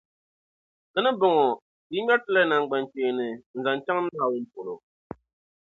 Di ni bɔŋɔ, yi ŋmεri ti la namgbankpeeni n-zaŋ chaŋ Naawuni polo?